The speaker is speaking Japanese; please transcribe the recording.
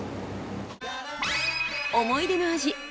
思い出の味